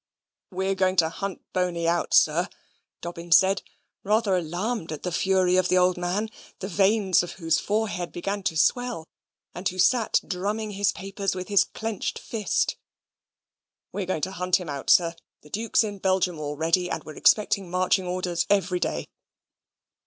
"We're going to hunt Boney out, sir," Dobbin said, rather alarmed at the fury of the old man, the veins of whose forehead began to swell, and who sate drumming his papers with his clenched fist. "We are going to hunt him out, sir the Duke's in Belgium already, and we expect marching orders every day."